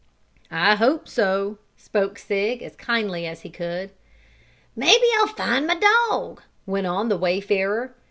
"I hope so," spoke Sig, as kindly as he could. "Maybe I'll find my dog," went on the wayfarer.